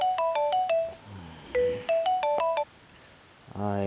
はい。